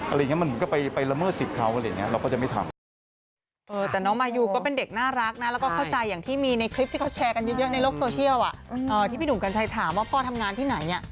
อะไรอย่างนี้มันก็ไปละเมิดสิบครั้วอะไรอย่างนี้